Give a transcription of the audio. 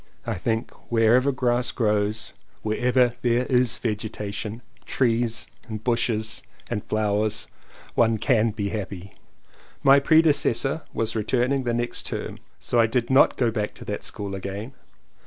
I think wherever grass grows, wherever there is vegetation — trees and bushes and flowers — one can be happy. My predecessor was returning the next term so I did not go back to that school again.